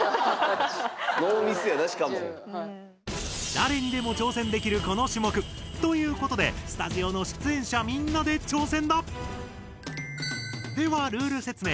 誰にでも挑戦できるこの種目。ということでスタジオの出演者みんなで挑戦だ！ではルール説明。